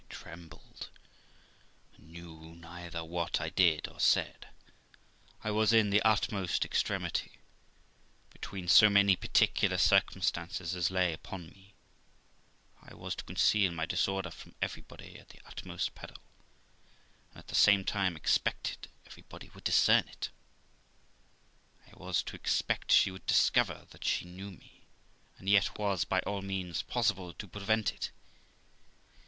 I trembled, and knew neither what I did or said, I was in the utmost extremity, between so many particular circumstances as lay upon me, for I was to conceal my disorder from everybody at the utmost peril, and at the same time expected everybody would discern it. I was to expect she would discover that she knew me, and yet was, by all means possible, to prevent it.